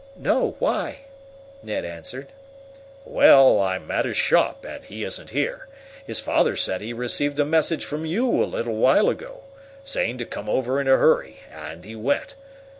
"No. Why?" Ned answered. "Well, I'm at his shop, and he isn't here. His father says he received a message from you a little while ago, saying to come over in a hurry, and he went.